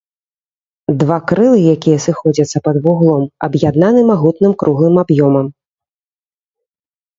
Два крылы, якія сыходзяцца пад вуглом, аб'яднаны магутным круглым аб'ёмам.